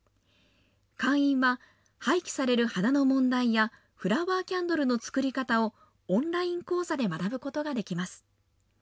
会員は、廃棄される花の問題やフラワーキャンドルの作り方をオンライン講座で学ぶことができます。